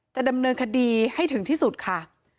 จะดำเนินคดีให้ถึงที่สุดค่ะ